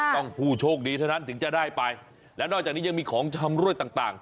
ผู้โชคดีเท่านั้นถึงจะได้ไปแล้วนอกจากนี้ยังมีของชำรวยต่าง